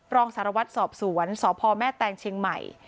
รองสารวัตรสอบสวนสพแม่แตงเชียงใหม่